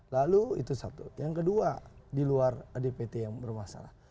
lalu itu satu yang kedua di luar dpt yang bermasalah